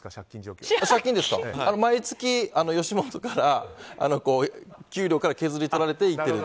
毎月、吉本の給料から削り取られて言ってる。